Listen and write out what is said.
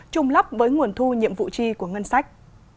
trung lắp với nguồn thu nhiệm vụ chi của ngân sách